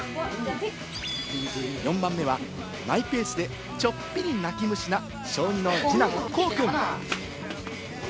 ４番目はマイペースでちょっぴり泣き虫な小２の二男・こう君。